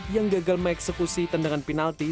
yang gagal mengeksekusi tendangan penalti